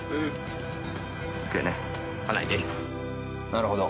なるほど。